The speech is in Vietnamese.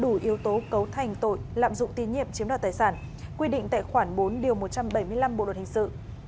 đủ yếu tố cấu thành tội lạm dụng tín nhiệm chiếm đoạt tài sản quy định tại khoảng bốn một trăm bảy mươi năm bộ đoàn hình sự